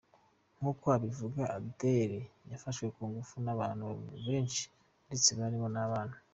Nk’uko abivuga, Adele yafashwe ku ngufu n’abantu benshi ndetse harimo n’abana.